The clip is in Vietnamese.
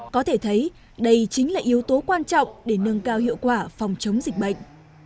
có thể thấy đây chính là yếu tố quan trọng để nâng cao hiệu quả phòng chống dịch bệnh